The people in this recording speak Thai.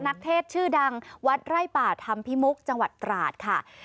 นักเทศชื่อดังวัดไร่ป่าธรรมพิมุกจังหวัดตราดค่ะ